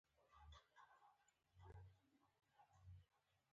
دا کیسه چې تاسې اوس ولوسته ډېره مهمه ده